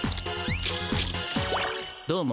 どうも。